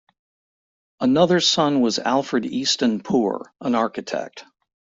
Another son was Alfred Easton Poor, an architect.